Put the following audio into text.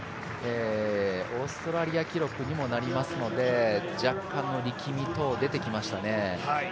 オーストラリア記録にもなりますので若干の力み等、出てきましたね。